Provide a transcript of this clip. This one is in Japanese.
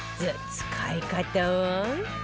使い方は